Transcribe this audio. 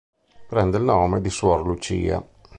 Prende il nome di suor Lucia.